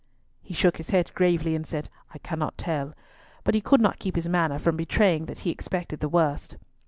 He shook his head gravely and said, "I cannot tell," but he could not keep his manner from betraying that he expected the worst.